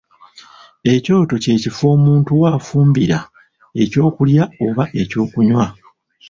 Ekyoto kye kifo omuntu w'afumbira eky'okulya oba eky'okunywa.